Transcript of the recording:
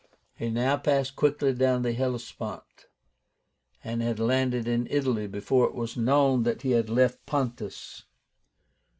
He now passed quickly down the Hellespont, and had landed in Italy before it was known that he had left Pontus.